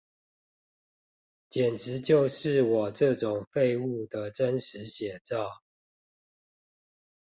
簡直就是我這種廢物的真實寫照